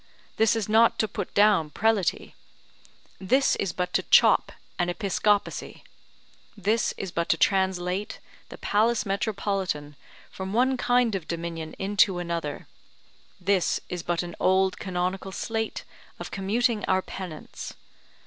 this is not to put down prelaty; this is but to chop an episcopacy; this is but to translate the Palace Metropolitan from one kind of dominion into another; this is but an old canonical sleight of commuting our penance.